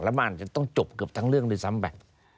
แล้วมันอาจจะต้องจบเกือบทั้งเรื่องด้วยซ้ำไป